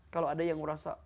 kalau ada yang merasa